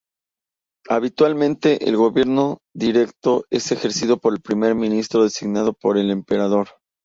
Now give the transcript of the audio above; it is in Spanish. Habitualmente el gobierno directo es ejercido por un primer ministro designado por el emperador.